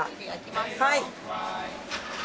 はい。